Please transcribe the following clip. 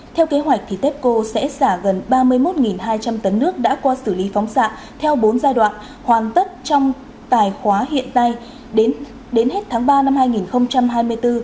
theo kế hoạch tepco sẽ xả gần ba mươi một hai trăm linh tấn nước đã qua xử lý phóng xạ theo bốn giai đoạn hoàn tất trong tài khoá hiện nay đến hết tháng ba năm hai nghìn hai mươi bốn